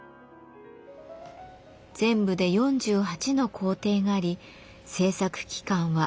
全部で４８の工程があり制作期間は２か月以上。